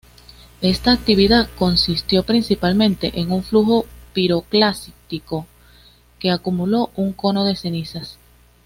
Esta actividad consistió principalmente en un flujo piroclástico que acumuló un cono de cenizas.